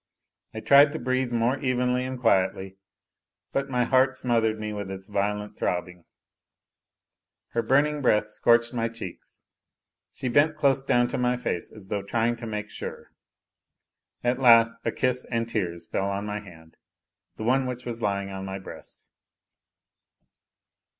I tried to breathe more evenly and quietly, but my heart smothered me with its violent throb bing. Her burning breath scorched my cheeks; she bent close down to my face as though trying to make sure. At last a kiss and tears fell on my hand, the one which was lying on my breast.